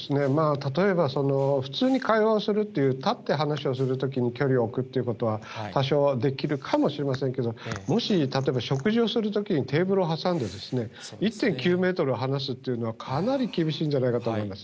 例えば普通に会話をするっていう、立って話をするときに距離を置くっていうことは、多少はできるかもしれませんけど、もし例えば食事をするときに、テーブルを挟んで、１．９メートル離すというのは、かなり厳しいんじゃないかと思います。